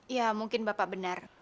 ya mungkin bapak benar